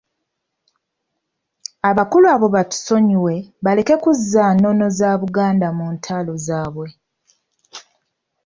Abakulu abo batusonyiwe baleme kuzza nnono za Buganda mu ntalo zaabwe.